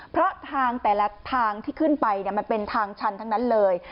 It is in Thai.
เพราะทางแต่ละทางที่ขึ้นไปมันเป็นทางชันทั้งนั้นเลย